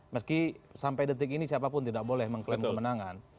meski sampai detik ini siapapun tidak boleh mengklaim kemenangan